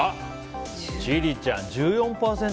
千里ちゃん、１４％。